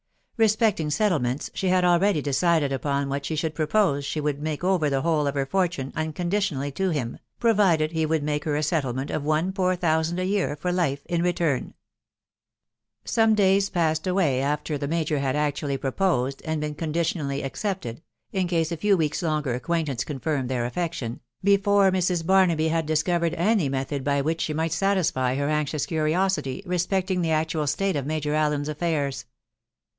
Respecting settlements, she had already decided upon what she should propose .... she would make over the whole of her fortune unconditionally to him, provided he would make her a settlement of one poor thousand a year for life in return. Some days passed away after the major had actually pro posed and been conditionally accepted .... in case a few weeks' longer acquaintance confirmed their affection •••• before Mrs. Barnaby had discovered any method by which she might satisfy her anxious curiosity respecting the actual state of Major Allen's affairs.